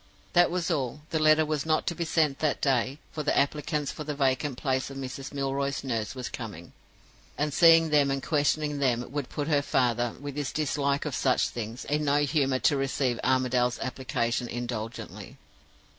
That was all. The letter was not to be sent that day, for the applicants for the vacant place of Mrs. Milroy's nurse were coming, and seeing them and questioning them would put her father, with his dislike of such things, in no humor to receive Armadale's application indulgently.